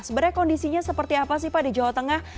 sebenarnya kondisinya seperti apa sih pak di jawa tengah